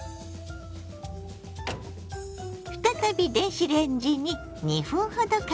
再び電子レンジに２分ほどかけます。